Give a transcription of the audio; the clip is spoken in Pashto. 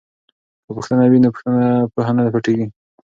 که پوښتنه وي نو پوهه نه پټیږي.